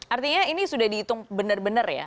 artinya ini sudah dihitung bener bener ya